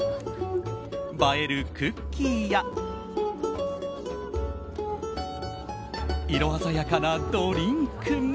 映えるクッキーや色鮮やかなドリンクも。